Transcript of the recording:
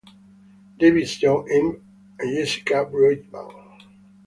Davis, John M., and Jessica Broitman.